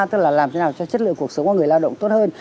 tức là làm thế nào cho chất lượng cuộc sống của người lao động tốt hơn